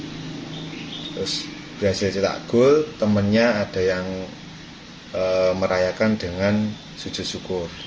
terus berhasil cetak gol temennya ada yang merayakan dengan sujud syukur